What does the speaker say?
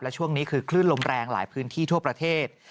และช่วงนี้คือคลื่นลมแรงหลายพื้นที่ทั่วประเทศ